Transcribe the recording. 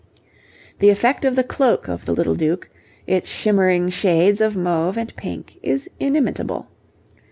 The effect of the cloak of the little Duke, its shimmering shades of mauve and pink, is inimitable.